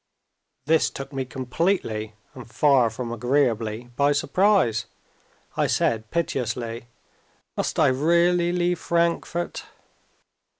This took me completely, and far from agreeably, by surprise. I said piteously, "Must I really leave Frankfort?"